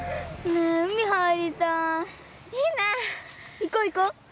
行こう行こう！